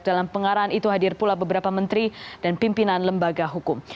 dalam pengarahan itu hadir pula beberapa menteri dan pimpinan lembaga hukum